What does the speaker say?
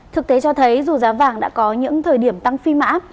thực tế cho thấy dù giá vàng đã có những thời điểm tăng phi mã